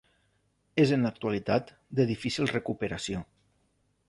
És en l'actualitat de difícil recuperació.